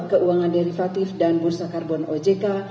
keuangan derivatif dan bursa karbon ojk